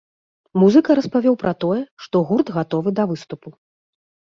Музыка распавёў пра тое, што гурт гатовы да выступу.